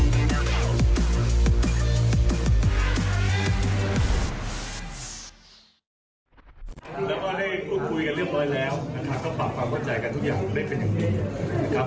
แล้วก็ได้พูดคุยกันเรียบร้อยแล้วนะครับก็ปรับความเข้าใจกันทุกอย่างผมได้เป็นอย่างนี้นะครับ